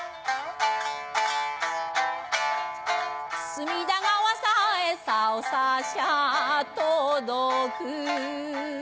隅田川さえ棹さしゃ届く